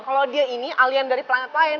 kalau dia ini alien dari planet lain